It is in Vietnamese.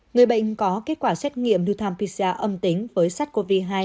người bệnh có kết quả xét nghiệm lưu tham pcr âm tính với sát covid hai